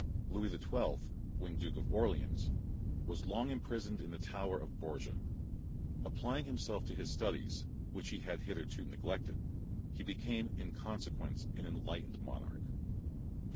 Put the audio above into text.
Louis the Twelfth, when Duke of Orleans, was long imprisoned in the Tower of Bourges: applying himself to his studies, which he had hitherto neglected, he became, in consequence, an enlightened monarch.